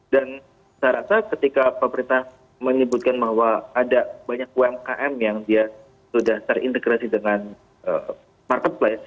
dan saya rasa ketika pemerintah menyebutkan bahwa ada banyak umkm yang dia sudah terintegrasi dengan marketplace